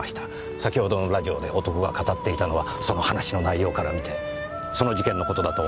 先程のラジオで男が語っていたのはその話の内容から見てその事件の事だと思われます。